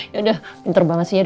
yaudah pinter banget sih ya